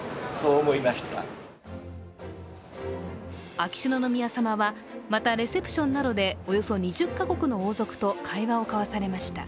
秋篠宮さまは、またレセプションなどでおよそ２０か国の王族と会話を交わされました。